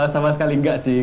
sama sekali enggak sih